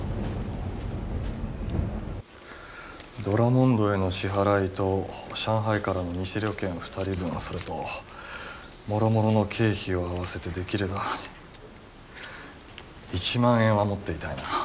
ドラモンドへの支払いと上海からの偽旅券２人分それともろもろの経費を合わせてできれば１万円は持っていたいな。